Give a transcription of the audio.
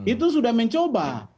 itu sudah mencoba